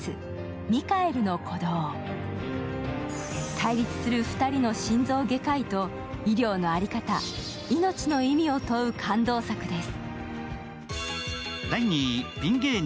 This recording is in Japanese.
対立する２人の心臓外科医と医療の在り方、命の意味を問う感動作です。